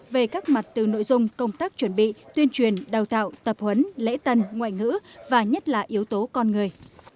về các mặt từ nội dung công tác chuẩn bị tuyên truyền đào tạo tập huấn lễ tân ngoại ngữ và nhất là yếu tố con người